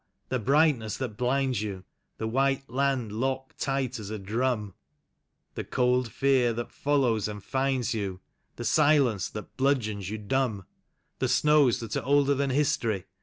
the brightness that blinds you, The white land locked tight as a drum, The cold fear that follows and finds you, The silence that bludgeons you dumb. The snows that are older than history.